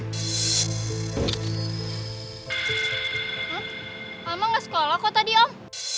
hah alma gak sekolah kok tadi om